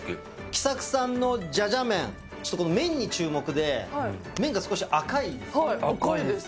きさくさんのじゃじゃ麺、この麺に注目で、麺が少し赤いんです。